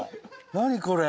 何これ？